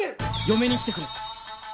嫁に来てくれ。